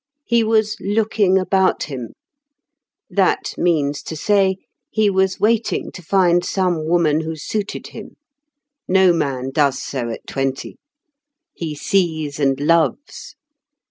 He was "looking about him." That means to say, he was waiting to find some woman who suited him. No man does so at twenty. He sees and loves.